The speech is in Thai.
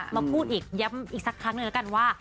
มาพูดอีกย้ำอีกสักครั้งหนึ่งแล้วกันว่า